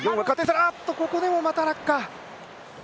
ここでもまた落下。